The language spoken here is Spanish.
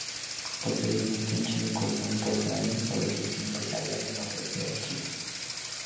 Posteriormente, en Chile cursó un posgrado sobre Gestión Empresarial en la Universidad de Chile.